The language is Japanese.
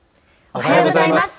おはようございます。